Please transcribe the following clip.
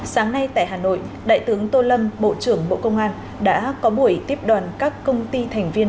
sáng nay tại hà nội đại tướng tô lâm bộ trưởng bộ công an đã có buổi tiếp đoàn các công ty thành viên